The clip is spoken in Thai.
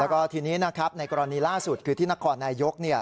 แล้วก็ทีนี้นะครับในกรณีล่าสุดคือที่นครนายก